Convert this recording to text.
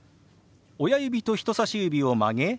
親指と人さし指を曲げ